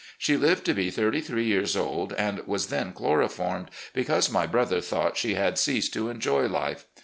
She lived to be thirty three years old, and was then chloroformed, because my brother thought she had ceased to enjoy life.